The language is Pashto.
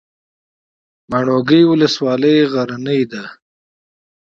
ماڼوګي ولسوالۍ غرنۍ ده؟